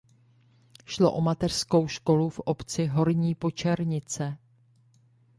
Šlo o mateřskou školu v obci Horní Počernice.